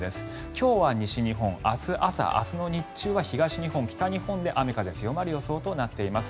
今日は西日本明日の朝、明日の日中は東日本、北日本で雨風強まる予想となっています。